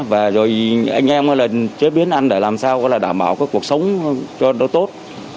và rồi anh em là chế biến ăn để làm sao có là đảm bảo cái cuộc sống cho nó tốt